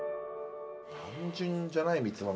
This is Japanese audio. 単純じゃない蜜豆